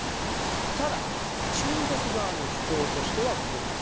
ただ、中国側の主張としてはこうです。